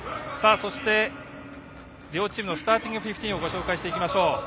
そして、両チームのスターティングフィフティーンをご紹介しましょう。